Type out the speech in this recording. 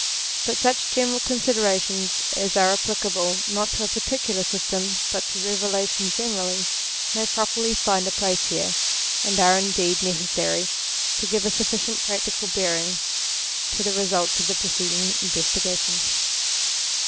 But such general considerations as are applicable not to a particular system, but to Eevelation generally, may properly find a place here, and are indeed ne cessary to give a sufficiently practical bearing to the results of the preceding investigation.